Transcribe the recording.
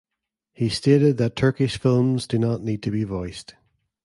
He stated that Turkish films do not need to be voiced.